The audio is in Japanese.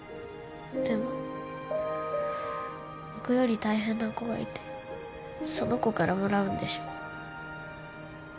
でも僕より大変な子がいてその子からもらうんでしょ？